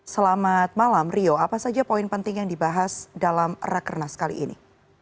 selamat malam rio apa saja poin penting yang dibahas dalam rakernas kali ini